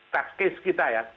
teks case kita ya